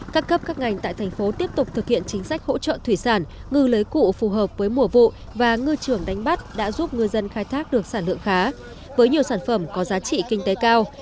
các cấp các ngành tại thành phố tiếp tục thực hiện chính sách hỗ trợ thủy sản ngư lưới cụ phù hợp với mùa vụ và ngư trường đánh bắt đã giúp ngư dân khai thác được sản lượng khá với nhiều sản phẩm có giá trị kinh tế cao